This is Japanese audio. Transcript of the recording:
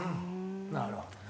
なるほどね。